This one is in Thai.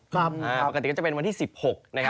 ปกติจะเป็นวันที่๑๖